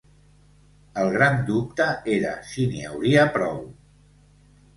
El gran dubte era si n’hi hauria prou.